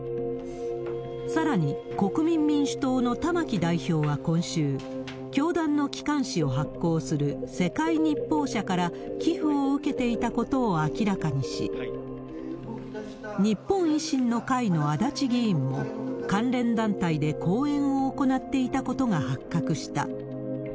さらに、国民民主党の玉木代表は今週、教団の機関紙を発行する世界日報社から寄付を受けていたことを明らかにし、日本維新の会の足立議員も、関連団体で講演を行っていたことが発覚した。